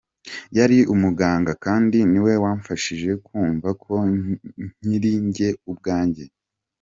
Yari umuganga kandi niwe wamfashije kumva ko nkiri jye ubwanjye.